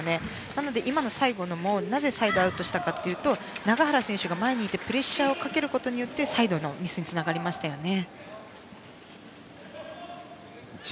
なので、今の最後のもなぜサイドアウトしたかというと永原選手が前にいてプレッシャーをかけることによってサイドのミスにつながりましたね。